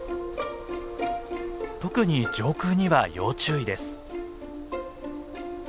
特に上空には要注意です。